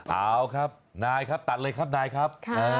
เอาครับนายครับตัดเลยครับนายครับ